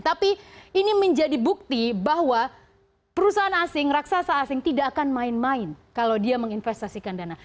tapi ini menjadi bukti bahwa perusahaan asing raksasa asing tidak akan main main kalau dia menginvestasikan dana